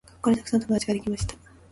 学校でたくさん友達ができました。